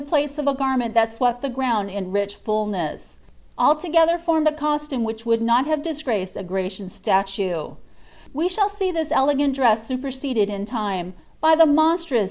i of a garment that swept the ground in rich fulness, altogether i.rd D eostume which would not have disgraced a Grecian statue, ihall see this elegant dress superseded in time, by the monstrous n.